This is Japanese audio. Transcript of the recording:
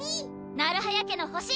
成早家の星！